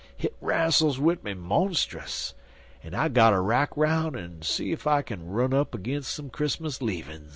"Hit rastles wid me monstus, en I gotter rack 'roun' en see if I kin run up agin some Chris'mus leavin's."